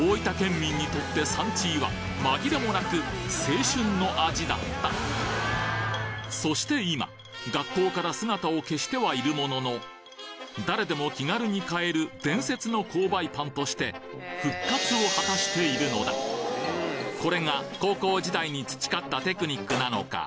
民にとってサンチーは紛れもなく青春の味だったそして今学校から姿を消してはいるものの誰でも気軽に買える伝説の購買パンとして復活を果たしているのだこれが高校時代に培ったテクニックなのか？